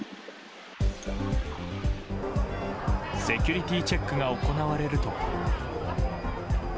セキュリティーチェックが行われると。